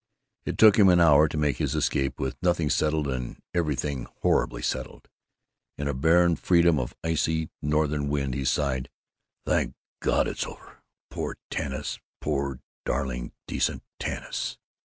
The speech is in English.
It took him an hour to make his escape, with nothing settled and everything horribly settled. In a barren freedom of icy Northern wind he sighed, "Thank God that's over! Poor Tanis, poor darling decent Tanis!